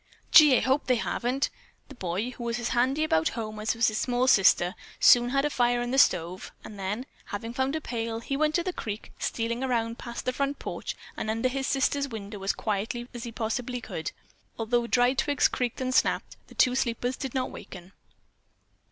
"Gee, I hope they haven't!" The boy, who was as handy about a home as was his small sister, soon had a fire in the stove, and then, having found a pail, he went to the creek, stealing around past the front porch and under his sister's window as quietly as he possibly could. Although dry twigs creaked and snapped, the two sleepers did not waken.